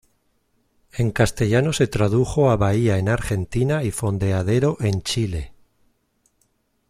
En castellano se tradujo a bahía en Argentina y fondeadero en Chile.